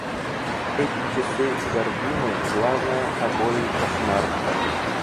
Эти часы, гардины, главное, обои — кошмар.